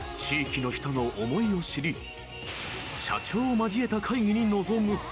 ［地域の人の思いを知り社長を交えた会議に臨む］